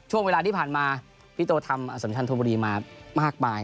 ช่วงเวลาที่ผ่านมาพี่โตทำอสัมชันธมบุรีมามากมาย